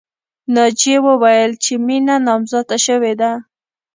ناجیې وویل چې مینه نامزاده شوې ده